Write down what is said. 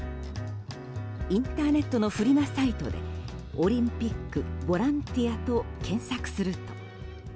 インターネットのフリマサイトで「オリンピックボランティア」と検索すると。